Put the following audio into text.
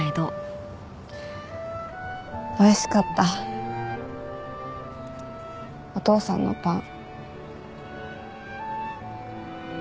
おいしかったお父さんのパン。